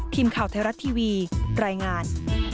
ทีมข่าวไทยรัฐทีวีรายงาน